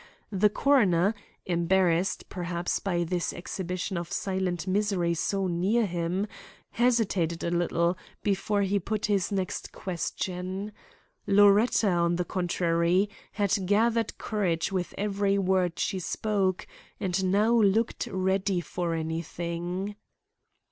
The coroner, embarrassed, perhaps, by this exhibition of silent misery so near him, hesitated a little before he put his next question. Loretta, on the contrary, had gathered courage with every word she spoke and now looked ready for anything.